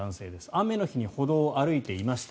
雨の日に歩道を歩いていました。